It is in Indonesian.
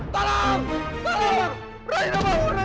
salam salam raina bangun raina